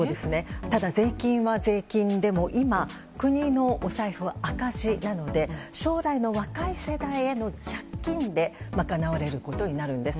ただ、税金は税金でも今、国のお財布は赤字なので将来の若い世代への借金で賄われることになるんです。